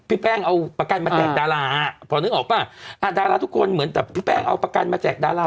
พี่แป้งเอาประกันมาแจกดารา